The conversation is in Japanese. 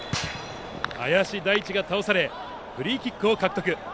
林大地が倒されフリーキックを獲得。